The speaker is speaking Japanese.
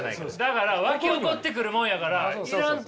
だからわき起こってくるもんやから要らんと。